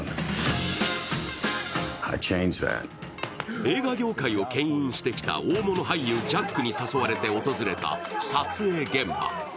映画業界をけん引してきた大物俳優・ジャックに誘われて訪れた撮影現場。